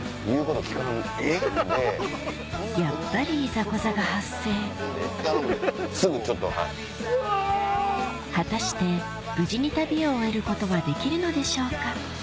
やっぱり果たして無事に旅を終えることはできるのでしょうか？